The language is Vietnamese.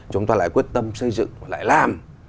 chúng ta lại quyết tâm xây dựng lại làm